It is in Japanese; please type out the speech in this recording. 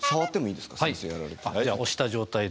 じゃあ押した状態で。